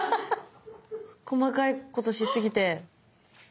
細かいことしすぎて。